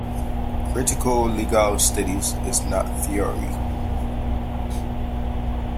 Critical legal studies is not a theory.